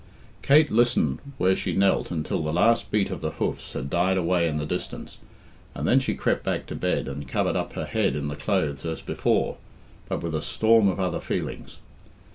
Kate listened where she knelt until the last beat of the hoofs had died away in the distance, and then she crept back to bed and covered up her head in the clothes as before, but with a storm of other feelings.